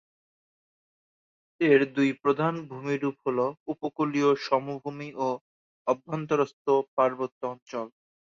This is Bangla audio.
এর দুই প্রধান ভূমিরূপ হল উপকূলীয় সমভূমি ও অভ্যন্তরস্থ পার্বত্য অঞ্চল।